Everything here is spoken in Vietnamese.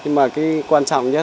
nhưng mà cái quan trọng nhất